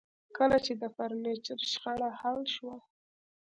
کله چې د فرنیچر شخړه حل شوه